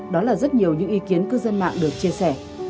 đó là rất nhiều những ý kiến cư dân mạng được chia sẻ